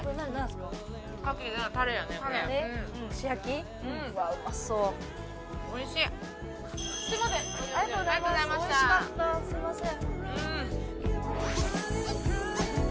すいません。